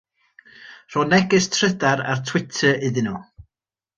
Rho neges trydar ar Twitter iddyn nhw.